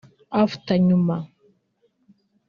after(nyuma)